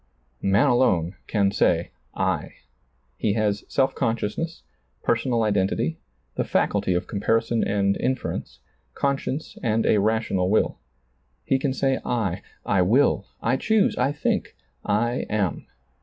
Man alone can say I. He has self consciousness, personal identity, the faculty of comparison and inference, conscience and a rational will. He can say I, I will, I choose, I think, I am.